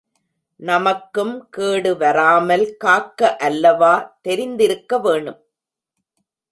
நமக்கும் கேடு வராமல் காக்க அல்லவா தெரிந்திருக்க வேணும்.